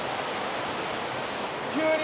急に。